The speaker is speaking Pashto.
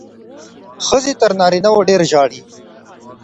ښځې تر نارینه وو ډېرې ژاړي.